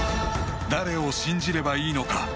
誰を信じればいいのか？